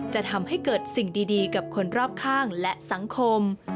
จะทำให้เกิดสิ่งดีกับคนรอบข้างและสังคม